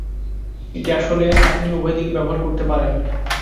এটা আসলে আপনি উভয় দিকে ব্যবহার করতে পারেন।